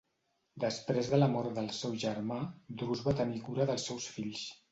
Després de la mort del seu germà, Drus va tenir cura dels seus fills.